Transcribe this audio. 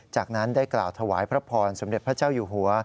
จากนั้นได้กล่าวถวายพระพรสมเด็จพระเจ้าอยู่หัว